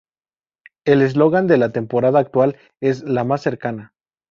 El eslogan de la temporada actual es "La más cercana".